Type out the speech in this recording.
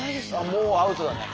もうアウトだね。